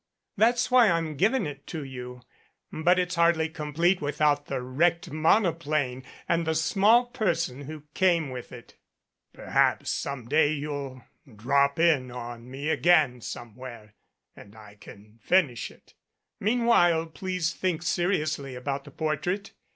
That's why I'm giving it to you. But it's hardly complete without the wrecked monoplane and the small person who came with it. Perhaps some day you'll "drop in" on me again somewhere and I can finish it. Meanwhile please think seriously about the portrait.